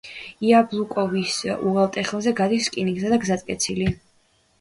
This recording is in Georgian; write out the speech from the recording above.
იაბლუნკოვის უღელტეხილზე გადის რკინიგზა და გზატკეცილი.